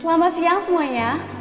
selamat siang semuanya